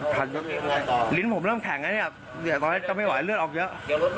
ตอนนี้ผมเริ่มแข็งนะเนี้ยเดี๋ยวก่อนไม่เอา